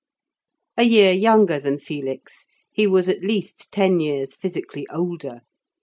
A year younger than Felix, he was at least ten years physically older.